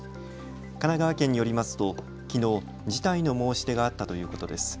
神奈川県によりますときのう辞退の申し出があったということです。